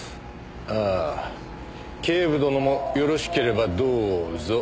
ああ警部殿もよろしければどうぞ。